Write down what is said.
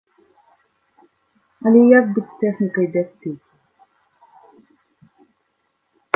Але як быць з тэхнікай бяспекі?